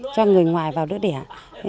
cho người ngoài vào đứa đẻ